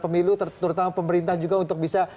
pemilu terutama pemerintah juga untuk bisa